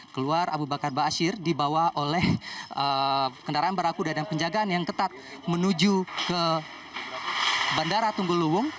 keluar abu bakar ⁇ asyir ⁇ dibawa oleh kendaraan berakuda dan penjagaan yang ketat menuju ke bandara tunggul luwung